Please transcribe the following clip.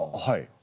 はい。